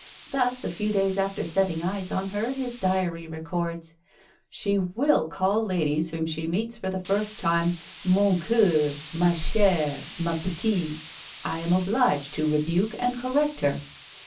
Thus, a few days after setting eyes on her, his diary records: "She will call ladies whom she meets for the first time 'Mon coeur, ma chère, ma petite,' and I am obliged to rebuke and correct her."